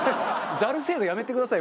ザル制度やめてください。